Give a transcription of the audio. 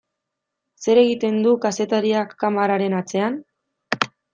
Zer egiten du kazetariak kameraren atzean?